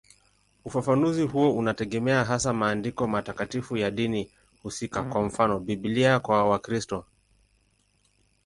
Ufafanuzi huo unategemea hasa maandiko matakatifu ya dini husika, kwa mfano Biblia kwa Wakristo.